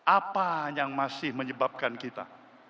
apa yang masih menyebabkan kita